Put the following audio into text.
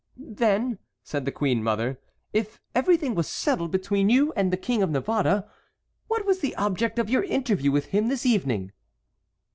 "Then," said the queen mother, "if everything was settled between you and the King of Navarre, what was the object of your interview with him this evening?"